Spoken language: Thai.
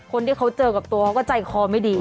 คนที่เขาเจอกับตัวเขาก็ใจคอไม่ดี